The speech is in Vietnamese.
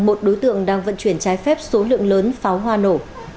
một đối tượng đang vận chuyển trái phép số lượng lớn pháo hoa nổ